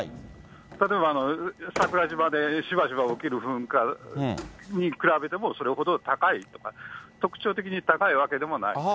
例えば、桜島でしばしば起きる噴火に比べても、それほど高い、特徴的に高いわけでもない。